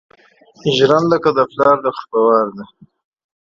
که جرنده دې د پلار ده خو په وار ده